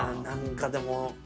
何かでも。